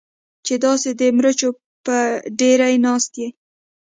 چې داسې د مرچو په ډېرۍ ناسته یې.